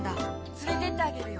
つれてってあげるよ。